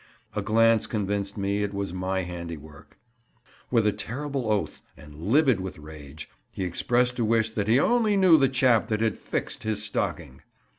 A glance convinced me it was my handiwork. With a terrible oath, and livid with rage, he expressed a wish that he only knew the chap that had "fixed" his stocking.